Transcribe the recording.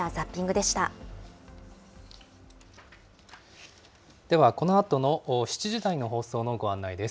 では、このあとの７時台の放送のご案内です。